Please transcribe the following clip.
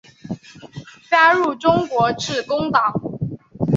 加入中国致公党。